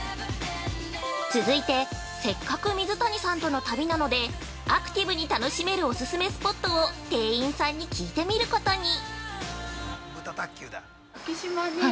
◆続いて、せっかく水谷さんとの旅なのでアクティブに楽しめるオススメスポットを店員さんに聞いてみることに。